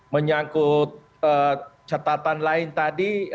menyangkut catatan lain tadi